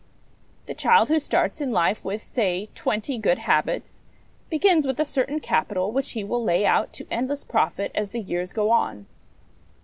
The child who starts in life with, say, twenty good habits, begins with a certain capital which he will lay out to endless profit as the years go on.